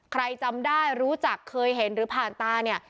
ใครจำได้รู้จักเคยเห็นหรือผ่านตาเนี่ย